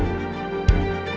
jangan lupa untuk mencoba